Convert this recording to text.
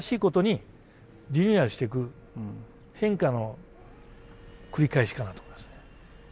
変化の繰り返しかなと思いますね。